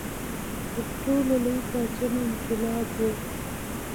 تر ټولو لوی پاڅون انقلاب و.